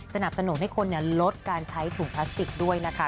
สนับสนุนให้คนลดการใช้ถุงพลาสติกด้วยนะคะ